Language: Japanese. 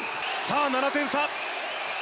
７点差！